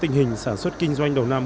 tình hình sản xuất kinh doanh đầu năm